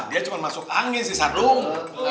dia cuma masuk angin sih sadung